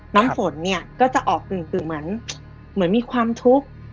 น้ำฝนเนี่ยก็จะออกกึ่งเหมือนมีความทุกข์